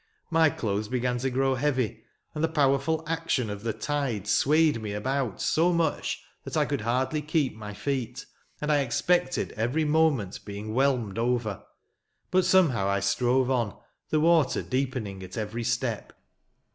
My clothes began to grow heavy, and the powerful action of the tide swayed me about so much that I could hardly keep my feet, and I expected every moment being whelmed over. But some how I strove on, the water deepening at every step.